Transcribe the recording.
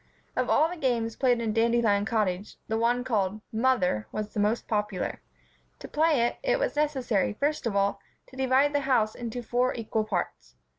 Of all the games played in Dandelion Cottage, the one called "Mother" was the most popular. To play it, it was necessary, first of all, to divide the house into four equal parts.